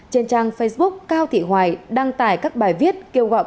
trên trang facebook cao thị hoài đăng tải các bài viết kêu gọi các nhà